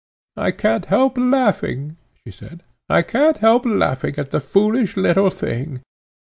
"I can't help laughing," she said, "I can't help laughing at the foolish little thing.